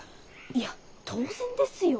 いや当然ですよ。